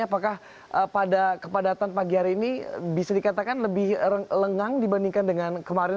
apakah pada kepadatan pagi hari ini bisa dikatakan lebih lengang dibandingkan dengan kemarin